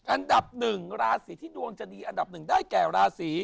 อันดับหนึ่งราศีที่ดวงจะดีอันดับหนึ่งได้แก่ราศี